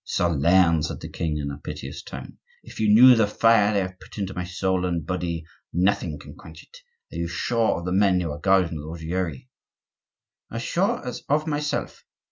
"Solern," said the king, in a piteous tone, "if you knew the fire they have put into my soul and body! nothing can quench it. Are you sure of the men who are guarding the Ruggieri?" "As sure as of myself."